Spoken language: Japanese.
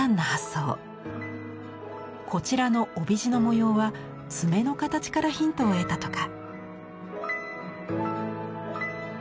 こちらの帯地の模様は爪の形からヒントを得たとか。